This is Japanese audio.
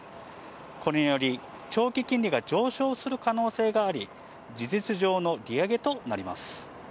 これにより、長期金利が上昇する可能性があり、事実上の利上げとなります。